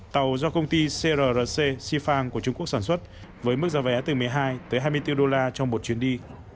tàu do công ty crrc sifang của trung quốc sản xuất với mức giá vé từ một mươi hai tới hai mươi bốn đô la trong một chuyến đi